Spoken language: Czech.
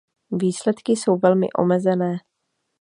Výsledky jsou velmi omezené.